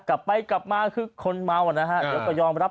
กลับไปกลับมาคือคนเมานะครับ